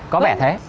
có vẻ thế